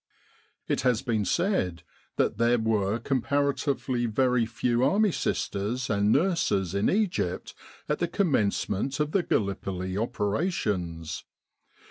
It has been said that there were comparatively very few Army sisters and nurses in Egypt at the commencement of the Gallipoli operations.